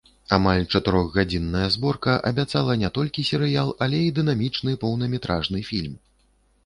Амаль чатырохгадзінная зборка абяцала не толькі серыял, але і дынамічны поўнаметражны фільм.